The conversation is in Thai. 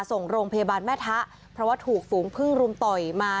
ส่งโรงพยาบาลแม่ทะเพราะว่าถูกฝูงพึ่งรุมต่อยมา